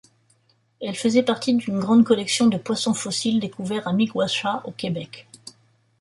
Elle faisait partie d'une grande collection de poissons fossiles découverts à Miguasha, au Québec.